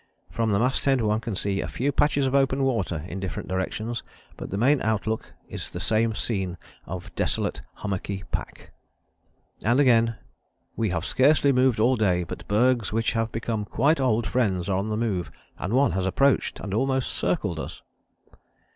"From the masthead one can see a few patches of open water in different directions, but the main outlook is the same scene of desolate hummocky pack." And again: "We have scarcely moved all day, but bergs which have become quite old friends are on the move, and one has approached and almost circled us."